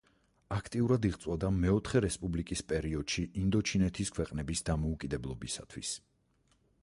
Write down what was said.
აქტიურად იღვწოდა მეოთხე რესპუბლიკის პერიოდში ინდოჩინეთის ქვეყნების დამოუკიდებლობისათვის.